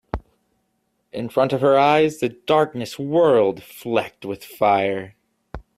In front of her eyes the darkness whirled, flecked with fire.